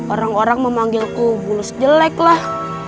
orang orang memanggilku bulus jelek lah